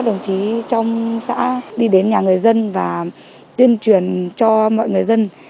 đồng chí trong xã đi đến nhà người dân và tuyên truyền cho mọi người dân